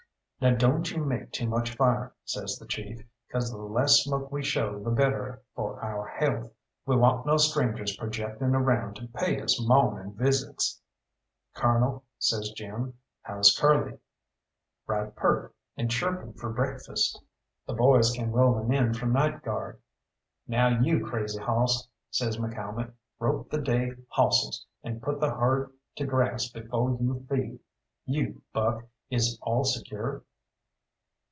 "Now don't you make too much fire," says the chief, "'cause the less smoke we show the better for our health. We want no strangers projecting around to pay us mawning visits." "Colonel," says Jim, "how's Curly?" "Right peart, and chirping for breakfast." The boys came rolling in from night guard. "Now you, Crazy Hoss," says McCalmont, "rope the day hawsses, and put the herd to grass befo' you feed. You, Buck, is all secure?"